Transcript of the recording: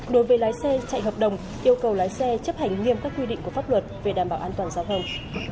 đối với lái xe chạy hợp đồng yêu cầu lái xe chấp hành nghiêm các quy định của pháp luật về đảm bảo an toàn giao thông